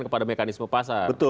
kepada mekanisme pasar